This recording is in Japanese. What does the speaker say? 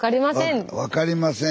分かりません。